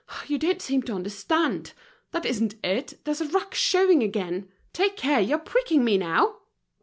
You don't seem to understand! That isn't it, there's the ruck showing again. Take care, you're pricking me now!"